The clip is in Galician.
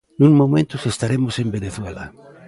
Nuns momentos estaremos en Venezuela.